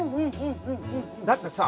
だってさ。